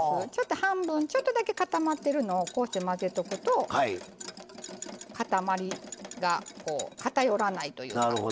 半分ちょっとだけ固まってるのを混ぜとくと固まりが偏らないといいますか。